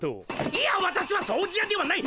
いやわたしは「掃除や」ではない！